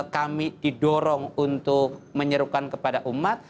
kami didorong untuk menyerukan kepada umat